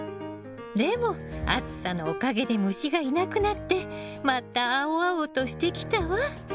でも暑さのおかげで虫がいなくなってまた青々としてきたわ。